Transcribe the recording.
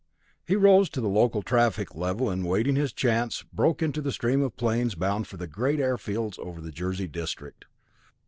He rose to the local traffic level, and waiting his chance, broke into the stream of planes bound for the great airfields over in the Jersey district.